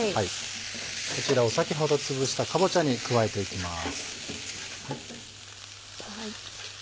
こちらを先ほどつぶしたかぼちゃに加えていきます。